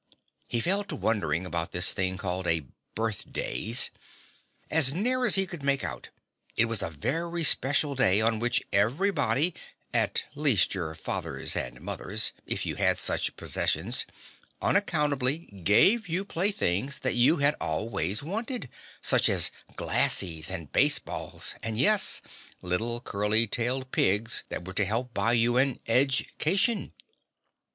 He fell to wondering about this thing called a birthdays. As near as he could make out, it was a very special day on which everybody at least your fathers and mothers, if you had such possessions unaccountably gave you playthings that you had always wanted, such as "glassies" and baseballs and, yes, little curly tailed pigs that were to help buy you an edge cation.